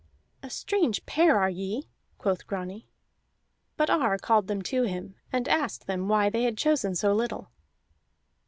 "A strange pair are ye," quoth Grani. But Ar called them to him and asked them why they had chosen so little.